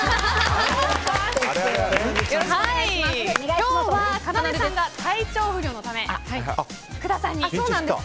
今日はかなでさんが体調不良のため福田さんに。